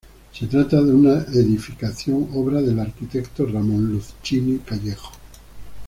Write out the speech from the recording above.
Se trata de una edificación obra del arquitecto Ramón Lucini Callejo.